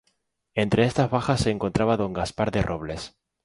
Entre estas bajas se encontraba Don Gaspar de Robles.